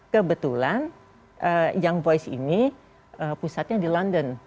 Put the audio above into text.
kebetulan young boys ini pusatnya di london